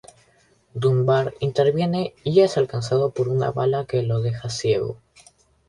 Dunbar interviene y es alcanzado por una bala que lo deja ciego.